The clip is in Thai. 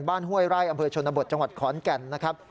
ห้วยไร่อำเภอชนบทจังหวัดขอนแก่นนะครับ